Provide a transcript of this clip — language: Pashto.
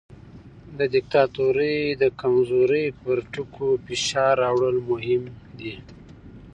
د دیکتاتورۍ د کمزورۍ پر ټکو فشار راوړل مهم دي.